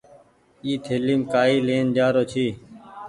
اي ٿليم ڪآئي لين جآرو ڇي۔